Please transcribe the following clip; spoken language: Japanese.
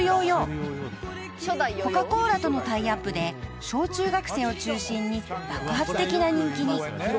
［コカ・コーラとのタイアップで小中学生を中心に爆発的な人気に］